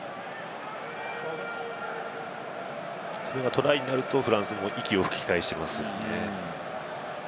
トライになるとフランスも息を吹き返します。